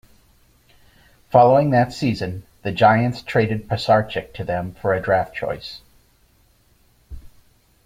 Following that season, the Giants traded Pisarcik to them for a draft choice.